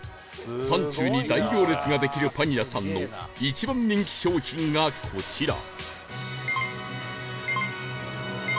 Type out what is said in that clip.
山中に大行列ができるパン屋さんの一番人気商品がこちら